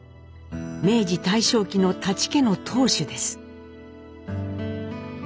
明治大正期の舘家の当主です。